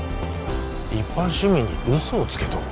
一般市民に嘘をつけと？